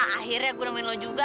ah akhirnya aku nemuin lo juga